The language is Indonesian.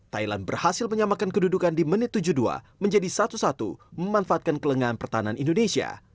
thailand berhasil menyamakan kedudukan di menit tujuh puluh dua menjadi satu satu memanfaatkan kelengahan pertahanan indonesia